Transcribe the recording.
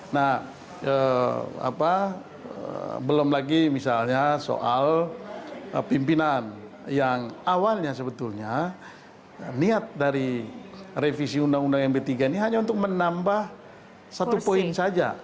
nah belum lagi misalnya soal pimpinan yang awalnya sebetulnya niat dari revisi undang undang md tiga ini hanya untuk menambah satu poin saja